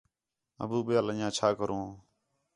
ابو ٻِیال ان٘ڄیاں چَھا کرو